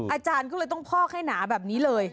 อาจารย์ก็เลยต้องพอกให้หนาแบบนี้เลย